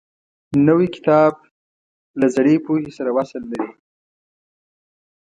نوی کتاب له زړې پوهې سره وصل لري